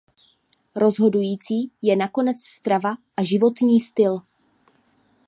Rozhodující je nakonec strava a životní styl.